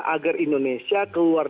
agar indonesia keluar